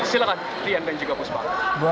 silakan lian dan juga bu sma